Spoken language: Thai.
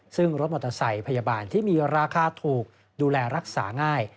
ซึ่งรถมอเตอร์ไซค์พยาบาลที่มีราคาถูกดูแลรักษาง่าย